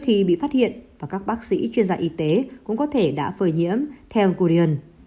khi bị phát hiện và các bác sĩ chuyên gia y tế cũng có thể đã phơi nhiễm theo gudean